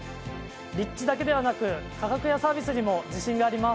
立地だけではなく価格やサービスにも自信があります。